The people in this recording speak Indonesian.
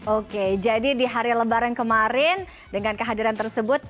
oke jadi di hari lebaran kemarin dengan kehadiran tersebut